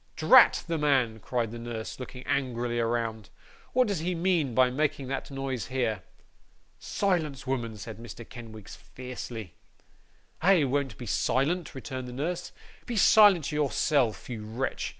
'Drat the man!' cried the nurse, looking angrily around. 'What does he mean by making that noise here?' 'Silence, woman!' said Mr. Kenwigs, fiercely. 'I won't be silent,' returned the nurse. 'Be silent yourself, you wretch.